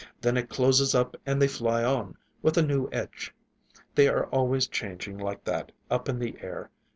Then it closes up and they fly on, with a new edge. They are always changing like that, up in the air.